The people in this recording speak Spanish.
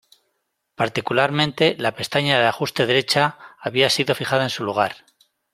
Particularmente, la pestaña de ajuste derecha había sido fijada en su lugar.